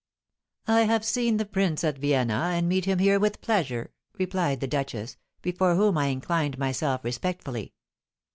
"I have seen the prince at Vienna, and meet him here with pleasure," replied the duchess, before whom I inclined myself respectfully.